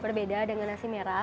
berbeda dengan nasi merah